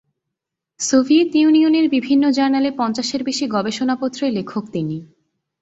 Soviet ইউনিয়নের বিভিন্ন জার্নালে পঞ্চাশের বেশি গবেষণাপত্রের লেখক তিনি।